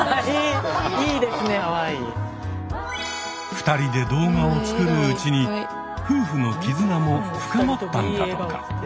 ２人で動画を作るうちに夫婦の絆も深まったんだとか。